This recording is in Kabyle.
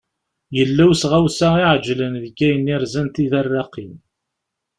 Yella usɣawsa iεeǧlen deg ayen irzan tidarraqin.